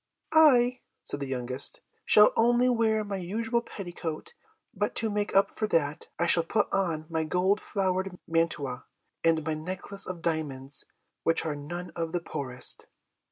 "I," said the youngest, "shall only wear my usual petticoat; but to make up for that, I shall put on my gold flowered mantua, and my necklace of diamonds, which are none of the poorest."